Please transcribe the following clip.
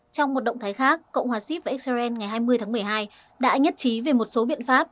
trong một động thái khác cộng hòa xip và israel ngày hai mươi tháng một mươi hai đã nhất trí về một số biện pháp